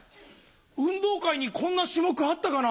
運動会にこんな種目あったかな？